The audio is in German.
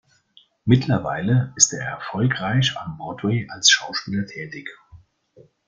Mittlerweile ist er erfolgreich am Broadway als Schauspieler tätig.